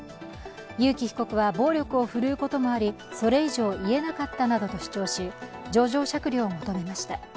裕喜被告は暴力を振るうこともあり、それ以上言えなかったなどと主張し情状酌量を求めました。